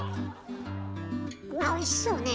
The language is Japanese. うわおいしそうね。